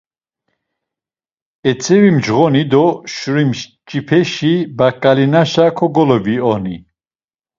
Etzevimcğoni do Şurimç̌ipeşi baǩalinaşa kogolovioni.